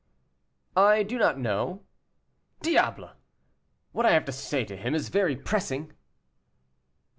"I do not know." "Diable! What I have to say to him is very pressing."